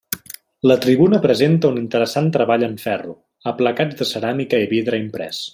La tribuna presenta un interessant treball en ferro, aplacats de ceràmica i vidre imprès.